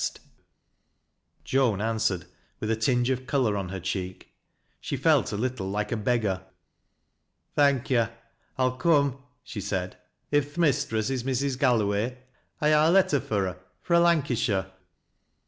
260 THAI LASa LOWBIE'B. Joan answered with a tinge of color on her cheek Sin felt a little like a beggar. " Thank yo' ; I'll come," she said. " If th' mistress ii Mrs. Galloway, I ha' a letter fur her fro' Lancashire."